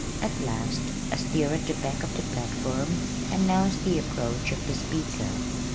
At last, a stir at the back of the platform announced the approach of the speaker.